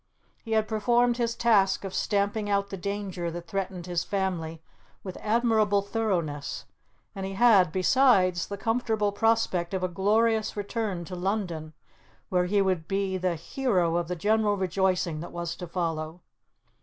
He had performed his task of stamping out the danger that threatened his family with admirable thoroughness, and he had, besides, the comfortable prospect of a glorious return to London, where he would be the hero of the general rejoicing that was to follow.